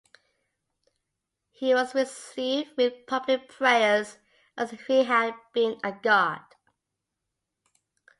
He was received with public prayers as if he had been a god.